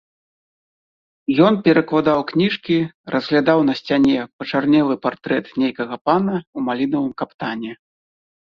Ён перакладаў кніжкі, разглядаў на сцяне пачарнелы партрэт нейкага пана ў малінавым каптане.